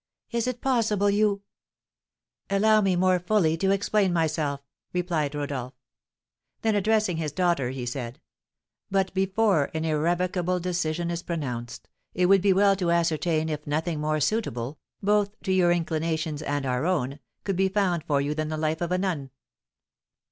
Is it possible you " "Allow me more fully to explain myself," replied Rodolph. Then addressing his daughter, he said, "But before an irrevocable decision is pronounced, it would be well to ascertain if nothing more suitable, both to your inclinations and our own, could be found for you than the life of a nun."